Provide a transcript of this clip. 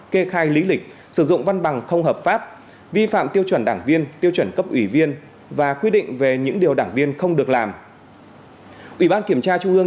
kê khai lý lịch sử dụng văn bằng không hợp pháp vi phạm tiêu chuẩn đảng viên tiêu chuẩn cấp ủy viên và quy định về những điều đảng viên không được làm